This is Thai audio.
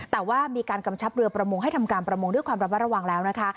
แต่ว่ามีการกำชับเรือประมงให้ทำการประมงด้วยความระมัดระวังแล้วนะคะ